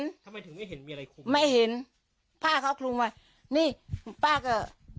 ทำไมถึงไม่เห็นมีอะไรคุมไม่เห็นผ้าเขาคลุมไว้นี่ป้าก็